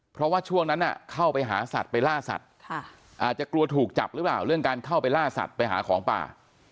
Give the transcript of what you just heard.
เพราะว่าช่วงนั้นเข้าไปหาสัตว์ไปล่าสัตว์อาจจะกลัวถูกจับหรือเปล่าเรื่องการเข้าไปล่าสัตว์ไปหาของป่า